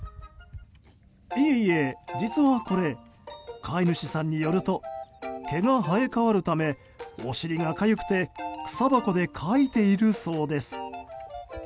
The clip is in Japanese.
いえいえ、実はこれ飼い主さんによると毛が生え変わるためお尻がかゆくて草箱でかいているそうです。